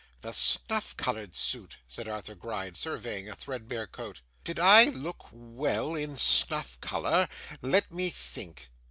'The snuff coloured suit,' said Arthur Gride, surveying a threadbare coat. 'Did I look well in snuff colour? Let me think.